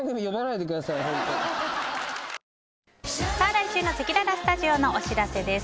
来週のせきららスタジオのお知らせです。